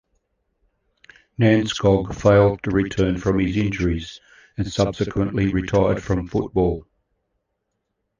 Nannskog failed to return from his injuries and subsequently retired from football.